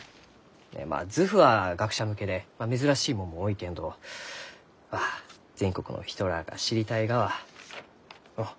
まあ図譜は学者向けで珍しいもんも多いけんどまあ全国の人らあが知りたいがはのう？